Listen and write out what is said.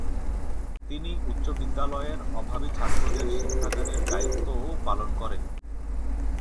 তিনি উচ্চ বিদ্যালয়ের অভাবী ছাত্রদের শিক্ষাদানের দায়িত্বও পালন করেন।